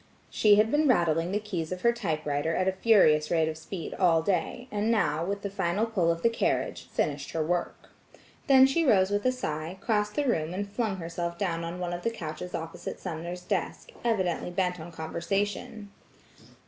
She had been rattling the keys of her typewriter at a furious rate of speed all day, and now, with a final pull of the carriage, finished her work. Then she rose with a sigh, crossed the room and flung herself down on one of the couches opposite Sumner's desk, evidently bent on conversation.